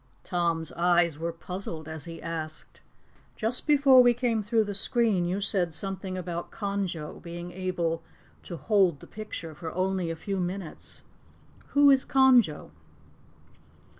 Tom's eyes were puzzled as he asked: "Just before we came through the screen, you said something about Conjo being able to 'hold the picture for only a few minutes.' Who is Conjo?"